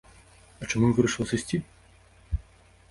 А чаму я вырашыла сысці?